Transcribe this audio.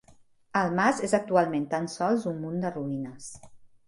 El mas és actualment tan sols un munt de ruïnes.